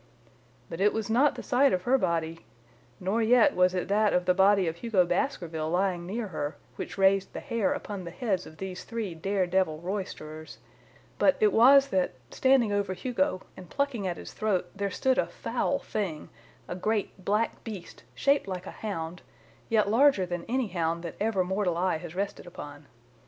But it was not the sight of her body, nor yet was it that of the body of Hugo Baskerville lying near her, which raised the hair upon the heads of these three dare devil roysterers, but it was that, standing over Hugo, and plucking at his throat, there stood a foul thing, a great, black beast, shaped like a hound, yet larger than any hound that ever mortal eye has rested upon.